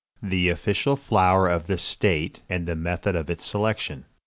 THE OFFICIAL FLOWER OF THE STATE, AND THE METHOD OF ITS SELECTION.